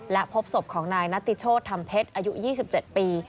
และพบศพของนายนัตติโชธธรรมเพชรอายุ๒๗ปี